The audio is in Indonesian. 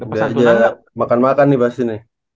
gak aja makan makan nih pasti nih